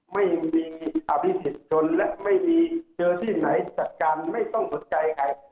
ไม่มีอภิษฎชนและไม่มีเจอที่ไหนจัดการไม่ต้องสนใจใคร